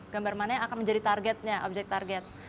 gambar mana yang akan menjadi targetnya objek target